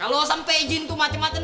kalau sampai jin tuh macem macem